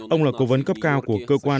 ông là cố vấn cấp cao của cơ quan